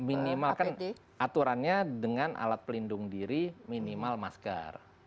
minimal kan aturannya dengan alat pelindung diri minimal masker